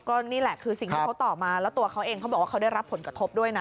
ก็นี้แหละคือสิ่งที่เค้าตอบมาและตัวเค้าเองเขาบอกเต็มหนูคงรับผลกระทบด้วยนะ